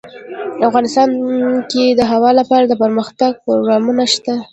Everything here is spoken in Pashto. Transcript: افغانستان کې د هوا لپاره دپرمختیا پروګرامونه شته.